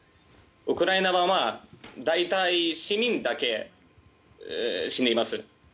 ウクライナ側は大体市民だけ死んでいます。